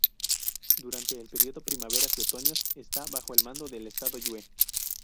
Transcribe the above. Durante el periodo Primaveras y Otoños estaba bajo el mando del estado Yue.